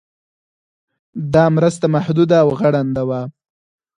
دا مرسته محدوده او غړنده وه.